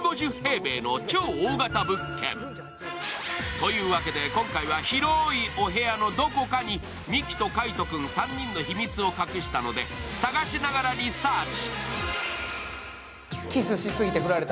というわけで今回は広いお部屋のどこかにミキと海音君３人の秘密を隠したので探しながらリサーチ。